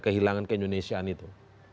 kehilangan keindonesiaan itu